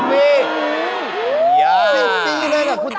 ๑๐ปีเลยนะคุณ